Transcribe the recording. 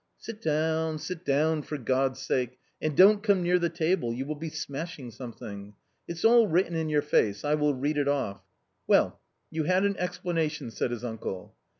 "Sit down, sit down, for God's sake, and don't come near the table, you will be smashing something. It's all written in your face, I will read it off. Well, you had an explanation," said his uncle.